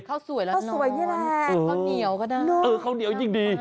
ข้าวสวยแหละข้าวสวยนี่แหละข้าวเหนียวก็ได้ข้าวเหนียวจริงดี